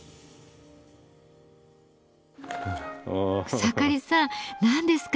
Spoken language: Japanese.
草刈さん何ですか？